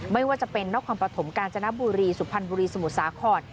ไม่ว่าจะเป็นนครปฐมกาญจนบุรีสุพรรณบุรีสมุทรสาคร